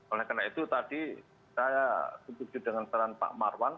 oleh karena itu tadi saya setuju dengan peran pak marwan